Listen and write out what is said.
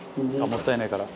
もったいないから。